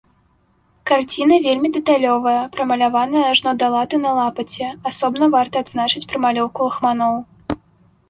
Карціна вельмі дэталёвая, прамаляваная ажно да латы на лапаце, асобна варта адзначыць прамалёўку лахманоў.